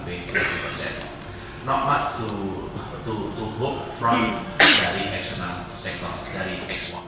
tidak banyak yang diharapkan dari sektor eksternal dari ekspor